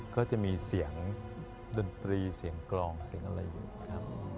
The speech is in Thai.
ก็จะมีเสียงดนตรีเสียงกลองเสียงอะไรอยู่ครับ